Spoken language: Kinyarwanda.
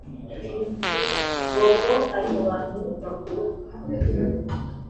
Bobo ari mu bantu baguruka